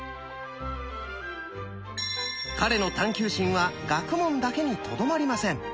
彼の探求心は学問だけにとどまりません。